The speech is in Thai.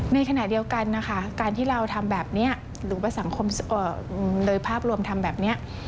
ในขณะเดียวกันนะคะการที่เราทำแบบนี้หรือว่าสังคมโดยภาพรวมทำแบบนี้